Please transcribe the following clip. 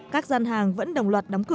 các gian hàng vẫn đồng loạt đóng cửa